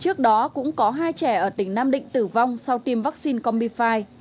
trước đó cũng có hai trẻ ở tỉnh nam định tử vong sau tiêm vaccine combifide dù mới triển khai tiêm được